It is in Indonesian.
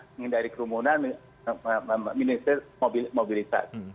mengendalikan kerumunan minister mobilitas